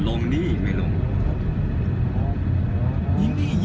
จบแกด้วย